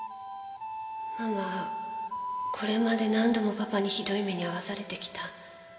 ママはこれまで何度もパパにひどい目に遭わされてきた。